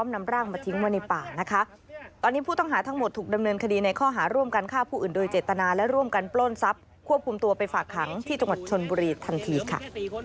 นำร่างมาทิ้งไว้ในป่านะคะตอนนี้ผู้ต้องหาทั้งหมดถูกดำเนินคดีในข้อหาร่วมกันฆ่าผู้อื่นโดยเจตนาและร่วมกันปล้นทรัพย์ควบคุมตัวไปฝากขังที่จังหวัดชนบุรีทันทีค่ะ